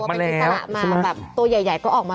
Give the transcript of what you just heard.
ก็ออกมาแล้วใช่ไหมครับก็ออกมานะตัวใหญ่ก็ออกมา